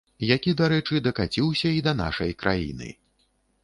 Які, дарэчы, дакаціўся і да нашай краіны.